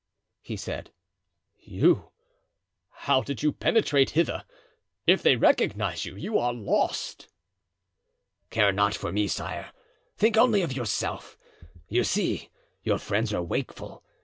he said, "you! how did you penetrate hither? If they recognize you, you are lost." "Care not for me, sire; think only of yourself. You see, your friends are wakeful.